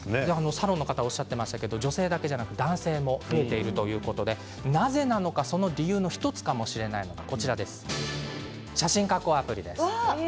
サロンの方がおっしゃっていましたが男性も増えているということでその理由の１つかもしれないのが写真加工アプリです。